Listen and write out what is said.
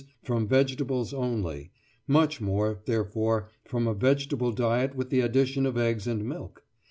_, from vegetables only, much more, therefore, from a vegetable diet with the addition of eggs and milk.